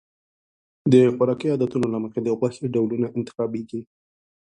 د خوراکي عادتونو له مخې د غوښې ډولونه انتخابېږي.